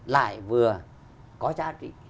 lại vừa có giá trị